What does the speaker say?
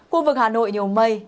khu vực hà nội nhiều mây